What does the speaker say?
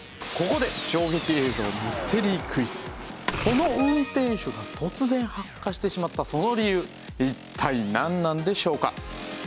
この運転手が突然発火してしまったその理由一体なんなんでしょうか？